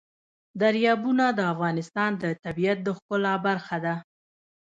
دریابونه د افغانستان د طبیعت د ښکلا برخه ده.